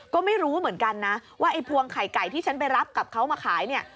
ก็ไม่รู้เหมือนกันนะว่าไอ้พวงไข่ไก่ที่ฉันไปรับกับเขามาขายเนี่ย